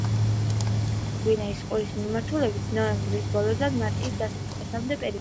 ის ქრის საჰარიდან გვინეის ყურის მიმართულებით ნოემბრის ბოლოდან მარტის დასაწყისამდე პერიოდში.